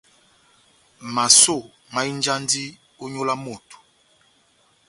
Masó mahinjandi ó nyolo ya moto.